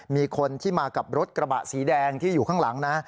มีคนที่มากับรถกระบะสีแดงที่อยู่ข้างหลังนะ